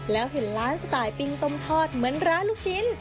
แล้วเห็นร้านสไตล์ปิ้งต้มทอดเหมือนร้านลูกชิ้น